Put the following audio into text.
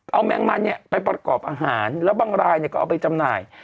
เอาแม่งมันไปปรากฏอาหารแล้วบางรายเนี่ยก็เอาไปจำนาย